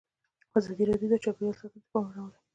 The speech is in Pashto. ازادي راډیو د چاپیریال ساتنه ته پام اړولی.